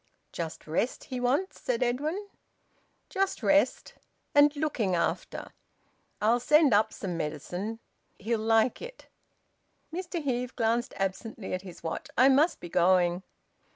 "Just rest he wants?" said Edwin. "Just rest. And looking after. I'll send up some medicine. He'll like it." Mr Heve glanced absently at his watch. "I must be going."